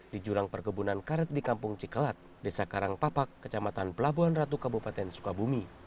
di jurang perkebunan karet di kampung cikelat desa karangpapak kecamatan pelabuhan ratu kabupaten sukabumi